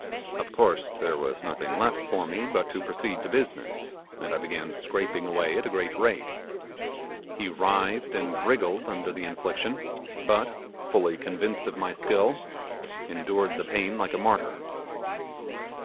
Of course there was nothing left for me but to proceed to business, and I began scraping away at a great rate. He writhed and wriggled under the infliction, but, fully convinced of my skill, endured the pain like a martyr.